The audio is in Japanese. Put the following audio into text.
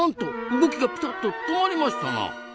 動きがピタッと止まりましたな！